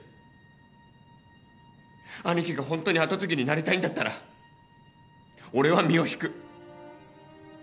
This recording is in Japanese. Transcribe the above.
兄貴がホントに跡継ぎになりたいんだったら俺は身を引く。